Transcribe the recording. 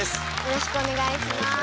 よろしくお願いします。